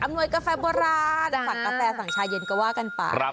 หน่วยกาแฟโบราณสั่งกาแฟสั่งชาเย็นก็ว่ากันไป